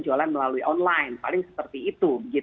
jualan melalui online paling seperti itu